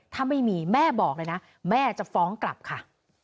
ถ้าไม่มีแม่บอกเลยนะแม่จะฟ้องกลับค่ะ